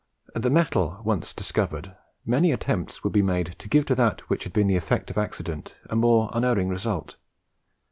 The metal once discovered, many attempts would be made to give to that which had been the effect of accident a more unerring result.